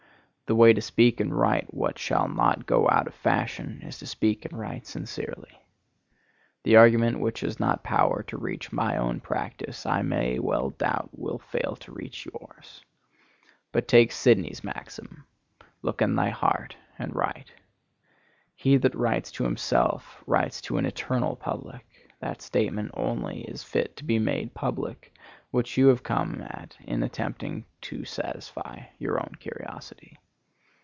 The way to speak and write what shall not go out of fashion is to speak and write sincerely. The argument which has not power to reach my own practice, I may well doubt will fail to reach yours. But take Sidney's maxim:—"Look in thy heart, and write." He that writes to himself writes to an eternal public. That statement only is fit to be made public which you have come at in attempting to satisfy your own curiosity.